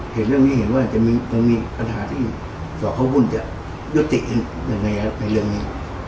เห็นเรื่องนี้เห็นว่าจะมีปัญหาที่ส่วนเข้าวุ่นจะยุติในเรื่องนี้